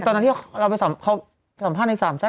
ใช่ตอนนั้นที่เราไปสัมภาษณ์ในสามแซฟ